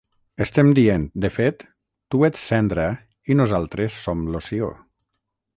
Estem dient, de fet, "tu ets cendra i nosaltres som loció.